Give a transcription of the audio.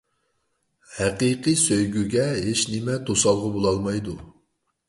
ھەقىقىي سۆيگۈگە ھېچنېمە توسالغۇ بولالمايدۇ.